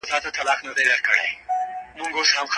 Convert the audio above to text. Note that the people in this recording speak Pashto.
دقیق اټکل د سیاستپوهنې بنسټیز اصل نه دی.